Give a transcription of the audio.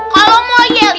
kalau mau yel